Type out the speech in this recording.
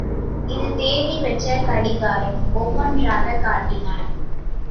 இது தேதி வச்ச கடிகாரம்! ஒவ்வொன்றாகக் காட்டினார்.